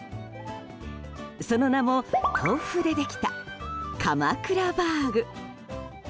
その名も、豆腐でできた鎌倉バーグ。